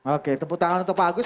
oke tepuk tangan untuk pak agus